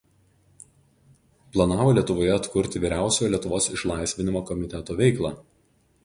Planavo Lietuvoje atkurti Vyriausiojo Lietuvos išlaisvinimo komiteto veiklą.